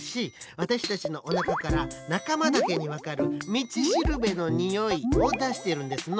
わたしたちのおなかからなかまだけにわかる「みちしるべのにおい」をだしているんですの。